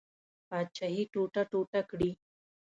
پاچهي ټوټه ټوټه کړي.